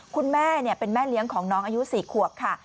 คุณแม่เป็นแม่เลี้ยงของน้องอายุ๔ขวบค่ะ